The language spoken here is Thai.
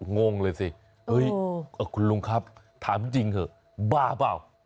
งงเลยสิเฮ้ยคุณลุงครับถามจริงเถอะบ้าเปล่า